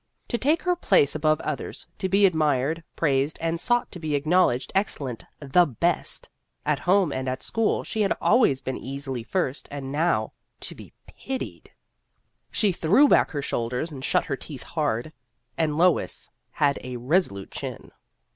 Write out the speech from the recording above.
To take her place above others, to be admired, praised, and sought, to be acknowledged excellent the best ! At home and at school, she had always been easily first, and now to be pitied ! And she threw back her shoulders, and shut her teeth hard. And Lois had a resolute chin.